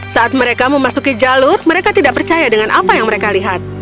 saat mereka memasuki jalur mereka tidak percaya dengan apa yang mereka lihat